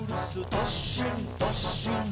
どっしんどっしん」